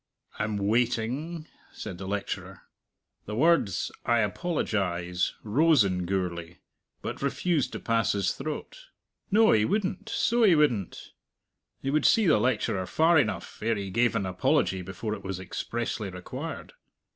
"I'm waiting!" said the lecturer. The words "I apologize" rose in Gourlay, but refused to pass his throat. No, he wouldn't, so he wouldn't! He would see the lecturer far enough, ere he gave an apology before it was expressly required.